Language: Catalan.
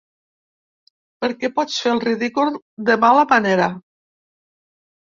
Perquè pots fer el ridícul de mala manera.